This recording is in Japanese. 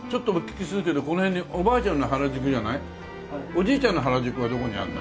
おじいちゃんの原宿はどこにあるの？